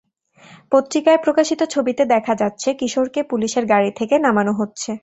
পত্রিকায় প্রকাশিত ছবিতে দেখা যাচ্ছে কিশোরকে পুলিশের গাড়ি থেকে নামানো হচ্ছে।